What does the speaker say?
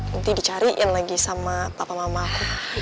nanti dicariin lagi sama tata mama aku